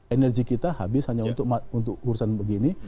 energi kita habis hanya untuk urusan begini